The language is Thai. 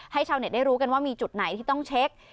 ชาวเน็ตได้รู้กันว่ามีจุดไหนที่ต้องเช็ค